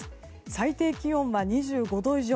最低気温は２５度以上。